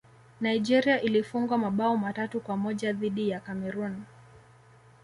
nigeria ilifungwa mabao matatu kwa moja dhidi ya cameroon